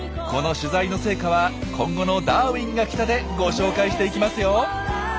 この取材の成果は今後の「ダーウィンが来た！」でご紹介していきますよ。